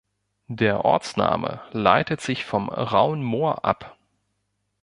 Der Ortsname leitet sich vom "rauhen Moor" ab.